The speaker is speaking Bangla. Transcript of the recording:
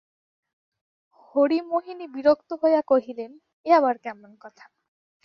হরিমোহিনী বিরক্ত হইয়া কহিলেন, এ আবার কেমন কথা।